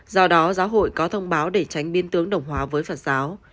do đó giáo hội có thông báo để tránh biên tướng đồng hóa với phật giáo